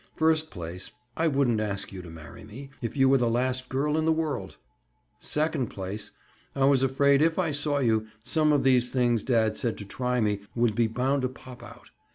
"First place, I wouldn't ask you to marry me, if you were the last girl in the world! Second place, I was afraid if I saw you, some of these things dad said to try me, would be bound to pop out.